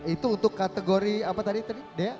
itu untuk kategori apa tadi dea